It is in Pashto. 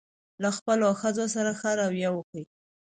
له خپلو ښځو سره ښه راویه وکوئ.